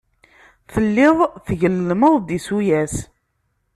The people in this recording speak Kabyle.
Telliḍ tgellmeḍ-d isuyas.